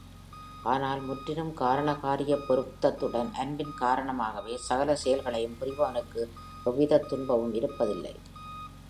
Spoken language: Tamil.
ஆனால் முற்றிலும் காரண காரியப் பொருத்தத்துடன் அன்பின் காரணமாகவே சகல செயல்களையும் புரிபவனுக்கு எவ்விதத் துன்பமும் இருப்பதில்லை.